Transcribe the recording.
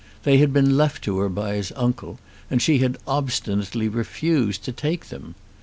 They had been left to her by his uncle, and she had obstinately refused to take them.